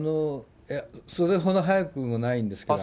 それほど早くもないんですけどね。